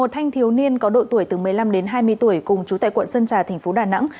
một thanh thiếu niên có độ tuổi từ một mươi năm đến hai mươi tuổi cùng chú tại quận sơn trà thành phố đà nẵng